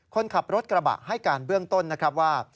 คนขับรถกระบะให้การเบื้องต้นนะครับว่า